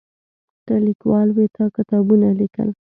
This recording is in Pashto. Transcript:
ته لیکوال وې تا کتابونه لیکل.